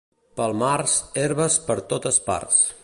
Pel març, herbes per totes parts.